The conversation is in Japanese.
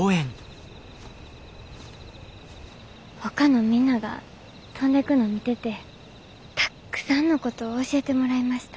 ほかのみんなが飛んでくの見ててたっくさんのことを教えてもらいました。